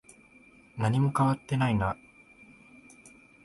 何も変わっていないな。